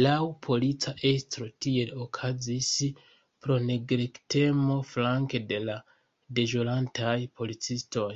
Laŭ polica estro tiel okazis pro neglektemo flanke de la deĵorantaj policistoj.